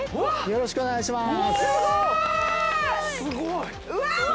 よろしくお願いします。